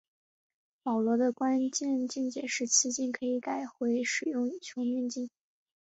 保罗的关键见解是次镜可以改回使用球面镜。